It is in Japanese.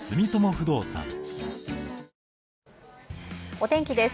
お天気です。